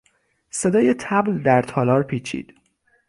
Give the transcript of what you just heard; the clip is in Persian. صدای طبل در تالار پیچید.